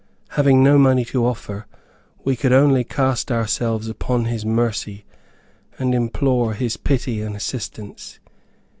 Having no money to offer, we could only cast ourselves on his mercy, and implore his pity and assistance.